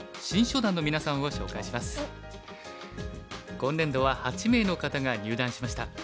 今年度は８名の方が入段しました。